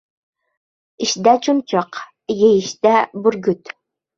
• Ishda ― chumchuq, yeyishda ― burgut.